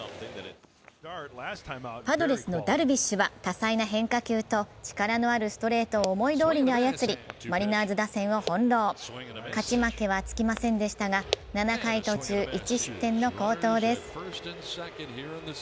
パドレスのダルビッシュは多彩な変化球と力のあるストレートを思いどおりに操り、マリナーズ打線をほんろう勝ち負けはつきませんでしたが７回途中１失点の好投です。